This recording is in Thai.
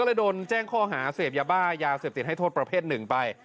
เลยโดนแจ้งข้อหาเสพยาบ้ายาเสพติดให้โทษประเภทหนึ่งไป